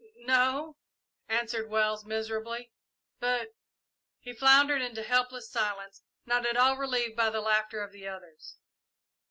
"N no," answered Wells, miserably; "but " He floundered into helpless silence, not at all relieved by the laughter of the others.